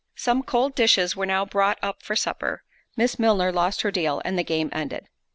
Some cold dishes were now brought up for supper—Miss Milner lost her deal, and the game ended.